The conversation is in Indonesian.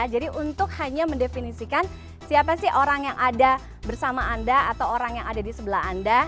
jadi untuk hanya mendefinisikan siapa sih orang yang ada bersama anda atau orang yang ada di sebelah anda